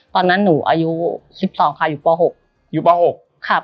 ตอนนั้นหนูอายุ๑๒ศาลอยู่ประ๖